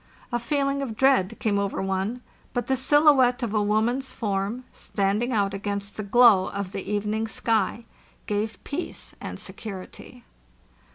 A feeling of dread came over one; but the silhouette of a woman's form, standing out against the glow of the evening sky, gave peace and security.